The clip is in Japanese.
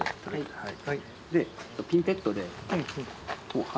はい。